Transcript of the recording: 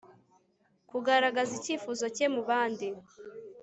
kugaragaza icyifuzo cye mubandi